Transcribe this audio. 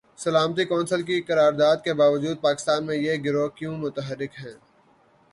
سلامتی کونسل کی قرارداد کے باجود پاکستان میں یہ گروہ کیوں متحرک ہیں؟